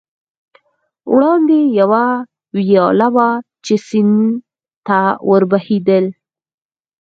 وړاندې یوه ویاله وه، چې سیند ته ور بهېدل.